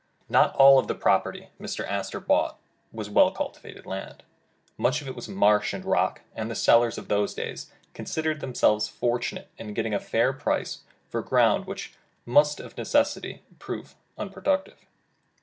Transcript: Not all of the property Mr. Astor bought was well cultivated land. Much of it was marsh and rock, and the sellers of those days, considered themselves fortunate in getting a fair price for ground which must, of neces sity, prove unproductive.